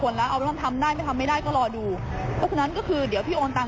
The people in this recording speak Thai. ในครั้งกี้ของท่าน